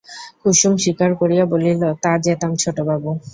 কুসুম স্বীকার করিয়া বলিল, তা যেতাম ছোটবাবু!